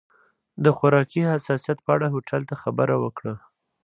د خوراکي حساسیت په اړه هوټل ته خبر ورکړه.